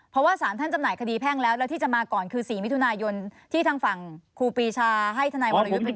เพราะว่าสารท่านจำหน่ายคดีแพ่งแล้วแล้วที่จะมาก่อนคือ๔มิถุนายนที่ทางฝั่งครูปีชาให้ทนายวรยุทธ์เป็น